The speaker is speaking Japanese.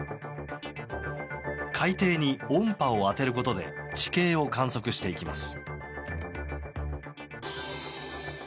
海底に音波を当てることで地形を観測していきます。